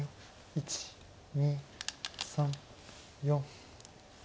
１２３４。